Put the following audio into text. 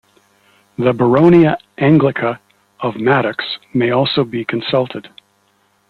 The "Baronia Anglica" of Madox may also be consulted.